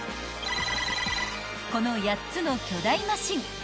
［この８つの巨大マシン］